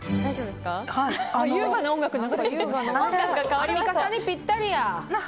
アンミカさんにぴったりや。